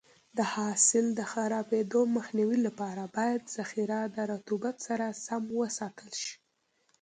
د حاصل د خرابېدو مخنیوي لپاره باید ذخیره د رطوبت سره سم وساتل شي.